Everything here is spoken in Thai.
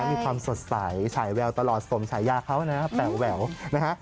มีความสดใสฉายแววตลอดสมฉายาเขานะครับแป๋วแหววนะฮะ